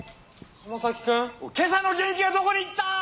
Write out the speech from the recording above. おい今朝の元気はどこに行った！？